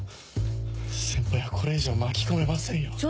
先輩をこれ以上巻き込めませんよ。